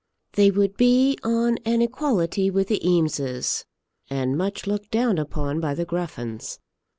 They would be on an equality with the Eameses, and much looked down upon by the Gruffens.